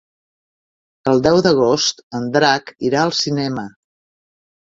El deu d'agost en Drac irà al cinema.